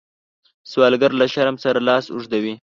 سوالګر له شرم سره لاس اوږدوي